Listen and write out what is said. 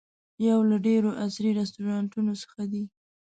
یو له ډېرو عصري رسټورانټونو څخه دی.